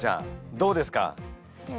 どうですか？